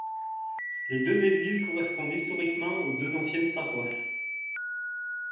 Les deux églises correspondent historiquement aux deux anciennes paroisses.